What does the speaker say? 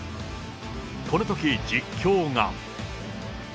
このとき実況が。